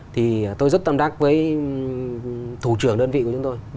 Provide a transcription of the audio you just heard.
thì tôi rất tâm đắc với thủ trưởng đơn vị của chúng tôi